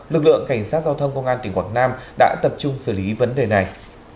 lực lượng cảnh sát giao thông công an tỉnh quảng nam đã tập trung xử lý vấn đề này